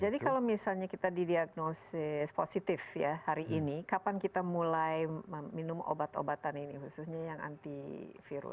jadi kalau misalnya kita didiagnosis positif ya hari ini kapan kita mulai minum obat obatan ini khususnya yang antivirus